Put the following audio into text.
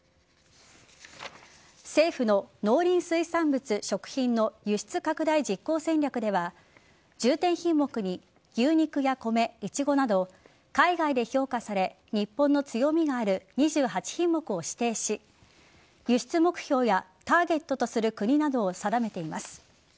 政府の農林水産物・食品の輸出拡大実行戦略では重点品目に牛肉や米、イチゴなど海外で評価され日本の強みがある２８品目を指定し輸出目標やターゲットとする国などを定めています。